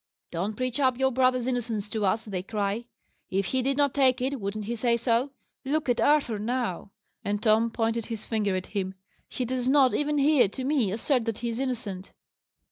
'Don't preach up your brother's innocence to us!' they cry; 'if he did not take it, wouldn't he say so?' Look at Arthur now" and Tom pointed his finger at him "he does not, even here, to me, assert that he is innocent!"